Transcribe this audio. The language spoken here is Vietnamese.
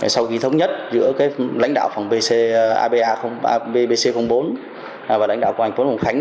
sau khi thống nhất giữa lãnh đạo phòng abc bốn và lãnh đạo phòng hồng khánh